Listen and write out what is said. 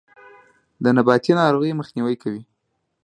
د نباتي ناروغیو مخنیوی کوي.